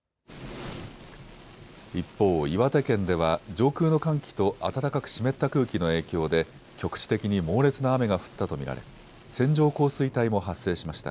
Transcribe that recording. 一方、岩手県では上空の寒気と暖かく湿った空気の影響で局地的に猛烈な雨が降ったと見られ線状降水帯も発生しました。